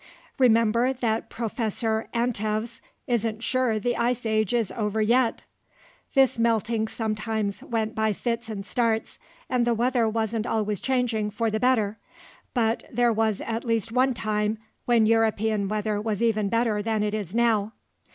Remember that Professor Antevs (p. 19) isn't sure the Ice Age is over yet! This melting sometimes went by fits and starts, and the weather wasn't always changing for the better; but there was at least one time when European weather was even better than it is now.